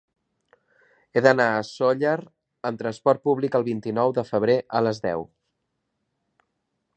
He d'anar a Sóller amb transport públic el vint-i-nou de febrer a les deu.